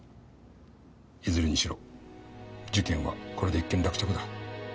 いずれにしろ事件はこれで一件落着だ。